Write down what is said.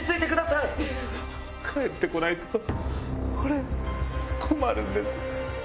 返って来ないと俺困るんです。